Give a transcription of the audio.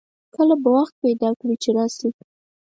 کله به وخت پیدا کړي چې راشئ